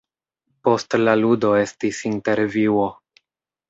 Post la ludo estis intervjuo.